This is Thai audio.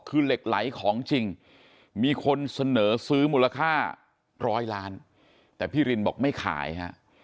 คือเหล็กไหลของจริงมีคนเสนอซื้อมูลค่าร้อยล้านแต่พี่รินบอกไม่ขายฮะ